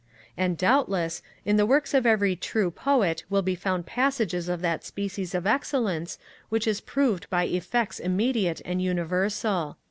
And, doubtless, in the works of every true poet will be found passages of that species of excellence which is proved by effects immediate and universal.